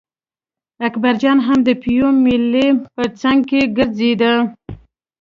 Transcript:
اکبرجان هم د پېوې مېلې په څنګ کې ګرځېده.